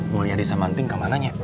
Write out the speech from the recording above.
mulia di semanting ke mananya